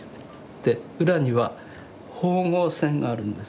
で裏には縫合線があるんです。